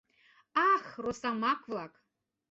Ах, росамак-влак!